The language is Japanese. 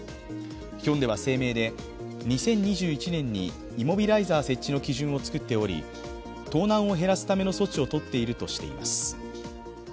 ヒョンデは声明で２０２１年にイモビライザー設置の基準を作っており、盗難を減らすための措置を取っているとしています。